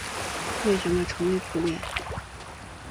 为什么愁眉苦脸？